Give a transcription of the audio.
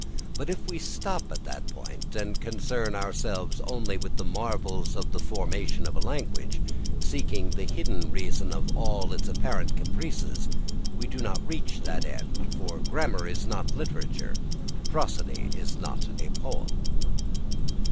But if we stop at that point, and only concern ourselves with the marvels of the formation of a language, seeking the hidden reason of all its apparent caprices, we do not reach the end for grammar is not literature, prosody is not a poem.